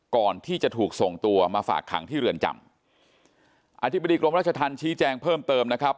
ก่อนที่จะถูกส่งตัวมาฝากขังที่เรือนจำอธิบดีกรมราชธรรมชี้แจงเพิ่มเติมนะครับ